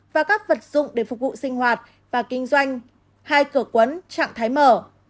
và các vật dụng để phục vụ sinh hoạt và kinh doanh hai cửa quấn trạng thái mở